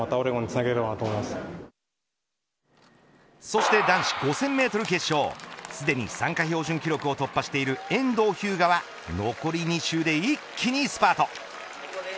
そして男子５０００メートル決勝すでに参加標準記録を突破している遠藤日向は残り２周で一気にスパート。